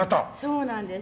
そうなんです。